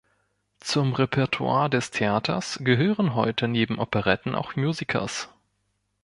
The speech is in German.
Zum Repertoire des Theaters gehören heute neben Operetten auch Musicals.